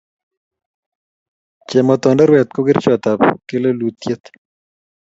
Chematondorwet ko kerichot ab plelkutiet